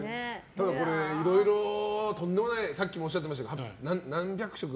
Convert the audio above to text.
ただ、いろいろとんでもないさっきもおっしゃっていましたけど。